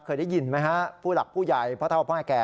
เคยได้ยินไหมครับผู้หลักผู้ใหญ่เพราะเท่าไหร่แก่